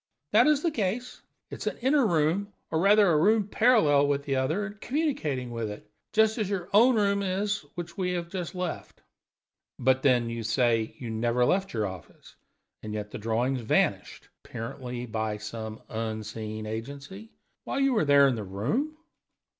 "That is the case. It is an inner room, or, rather, a room parallel with the other, and communicating with it; just as your own room is, which we have just left." "But, then, you say you never left your office, and yet the drawings vanished apparently by some unseen agency while you were there in the room?"